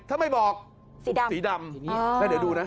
ถ้าไม่บอกสีดำสีดำแล้วเดี๋ยวดูนะ